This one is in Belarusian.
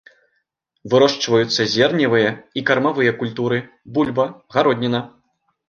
Вырошчваюцца зерневыя і кармавыя культуры, бульба, гародніна.